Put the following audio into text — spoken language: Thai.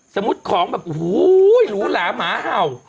สมมุติของแบบโหหลูหลาหมา